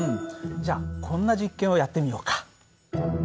じゃあこんな実験をやってみようか。